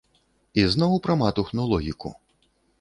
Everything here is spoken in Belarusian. І зноў пра матухну логіку.